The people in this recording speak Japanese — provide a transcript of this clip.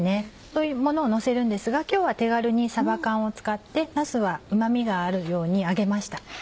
そういうものをのせるんですが今日は手軽にさば缶を使ってなすはうま味があるように揚げました。